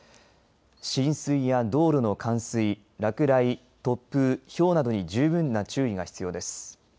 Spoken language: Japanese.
浸水や道路の冠水落雷、突風、ひょうなどに十分な注意が必要です。